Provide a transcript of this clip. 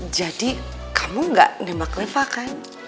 jadi kamu gak nembak reva kan